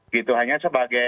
gitu hanya sebagai